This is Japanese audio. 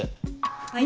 はい。